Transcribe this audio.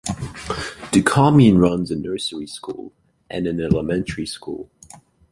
The commune runs a nursery school and an elementary school.